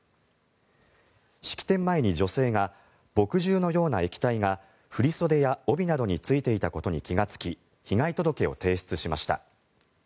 式典前に女性が墨汁のような液体が振り袖や帯などについていたことに気がつき被害届を提出しました。